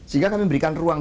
sehingga kami memberikan ruang